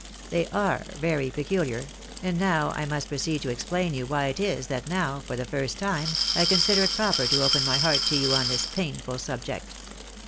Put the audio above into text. They are very peculiar ; and now I must proceed to explain to you why it is, that now, for the first time, I consider it proper to open my heart to you on this painful subject.